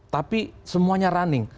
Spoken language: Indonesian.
tapi semuanya running